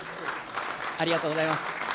ありがとうございます。